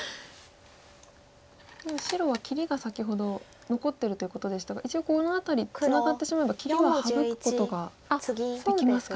でも白は切りが先ほど残ってるということでしたが一応この辺りツナがってしまえば切りは省くことができますか。